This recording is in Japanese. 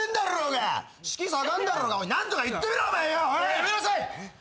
やめなさい！